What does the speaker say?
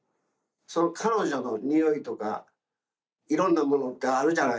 その彼女のにおいとかいろんなものってあるじゃないですか。